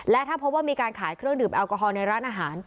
และถ้าพบว่ามีการขายเครื่องดื่มแอลกอฮอลในร้านอาหาร